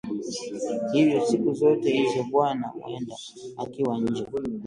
Hivyo siku zote hizo bwana Mwenda akiwa nje